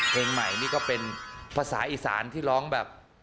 เพลงใหม่นี่ก็เป็นภาษาอีสานที่ร้องแบบ